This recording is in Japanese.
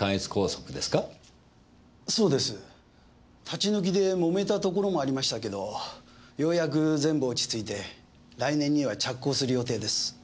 立ち退きでもめたところもありましたけどようやく全部落ち着いて来年には着工する予定です。